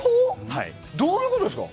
どういうことですか？